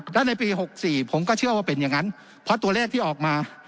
และในปี๖๔ผมก็เชื่อว่าเป็นอย่างนั้นเพราะตัวเลขที่ออกมา